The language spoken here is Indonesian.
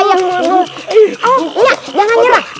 iya ini gak nyerah